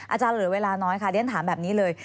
อาจารย์เหลือเวลาน้อยค่ะเรียนถามแบบนี้เลย